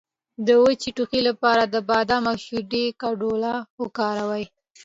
د وچ ټوخي لپاره د بادام او شیدو ګډول وکاروئ